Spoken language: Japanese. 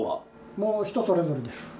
もう人それぞれです。